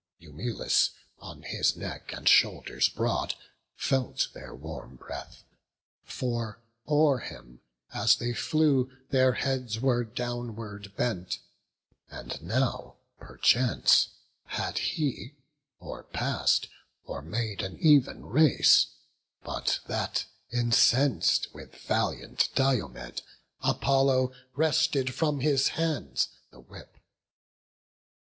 Eumelus, on his neck and shoulders broad, Felt their warm breath; for o'er him, as they flew, Their heads were downward bent; and now, perchance, Had he or pass'd, or made an even race, But that, incens'd with valiant Diomed, Apollo wrested from his hands the whip.